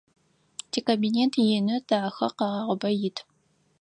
Тикабинет ины, дахэ, къэгъагъыбэ ит.